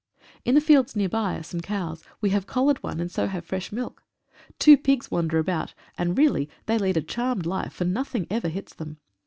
In the fields near by are some cows. We have collared one, and so have fresh milk. Two pigs wander about, and really they lead a charmed life, for nothing ever hits them.